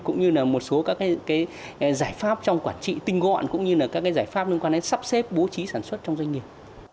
cũng như là một số các giải pháp trong quản trị tinh gọn cũng như là các giải pháp liên quan đến sắp xếp bố trí sản xuất trong doanh nghiệp